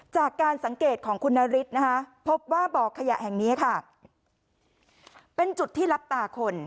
จากการสังเกตของคุณนฤทธินะคะพบว่าบ่อขยะแห่งนี้ค่ะเป็นจุดที่รับตาคน